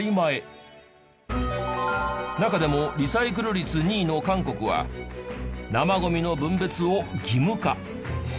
中でもリサイクル率２位の韓国は生ゴミの分別を義務化。